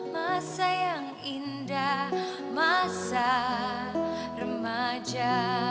masa yang indah masa remaja